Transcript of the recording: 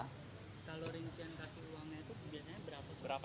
kalau rincian kasih uangnya itu biasanya berapa